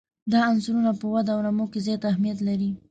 دا عنصرونه په وده او نمو کې زیات اهمیت لري.